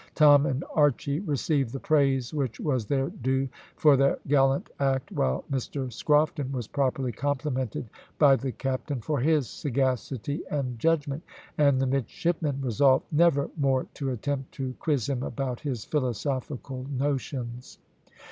Tom and Archy received the praise which was their due for their gallant act, while Mr Scrofton was properly complimented by the captain for his sagacity and judgment, and the midshipmen resolved never more to attempt to quiz him about his philosophical notions.